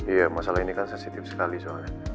iya masalah ini kan sensitif sekali soalnya